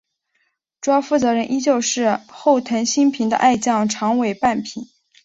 主要负责人依旧是后藤新平的爱将长尾半平。